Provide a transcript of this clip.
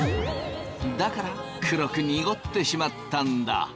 だから黒くにごってしまったんだ。